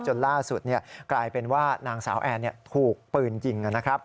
จนล่าสุดกลายเป็นว่านางสาวแอนถูกปืนยิงนะครับ